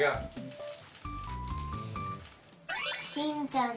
しんちゃんです。